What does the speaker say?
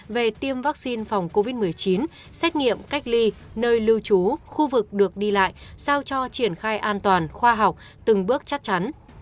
về tiêm vaccine phòng covid một mươi chín xét nghiệm cách ly nơi lưu trú khu vực được đi lại sao cho triển khai an toàn khoa học từng bước chắc chắn